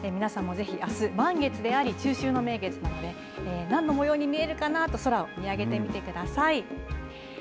ぜひ、あす満月であり中秋の名月なので何の模様に見えるかなと空を見上げてください。